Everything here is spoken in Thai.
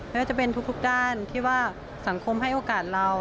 ไม่ว่าจะเป็นทุกด้านที่ว่าสังคมให้โอกาสเรา